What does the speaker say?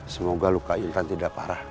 semoga luka intan tidak parah